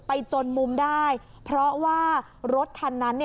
จนมุมได้เพราะว่ารถคันนั้น